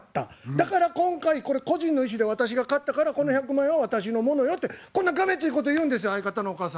だから今回これ個人の意思で私が買ったからこの１００万円は私のものよ」ってこんながめついこと言うんですよ相方のお母さん。